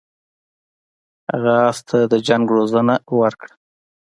هغه اس ته د جنګ روزنه ورکړه.